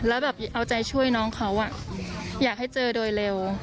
แล้วแบบเอาใจช่วยน้องเขาอยากให้เจอโดยเร็ว